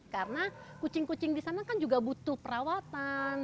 karena kucing kucing di sana kan juga butuh perawatan